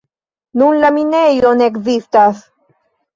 Nun la minejo ne ekzistas.